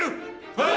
はい。